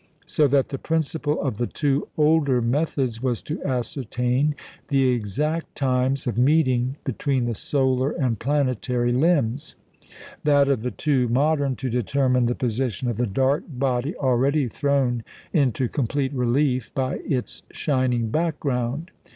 So that the principle of the two older methods was to ascertain the exact times of meeting between the solar and planetary limbs; that of the two modern to determine the position of the dark body already thrown into complete relief by its shining background.